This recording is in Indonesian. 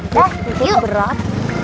dah udah berat